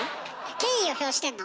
敬意を表してんの？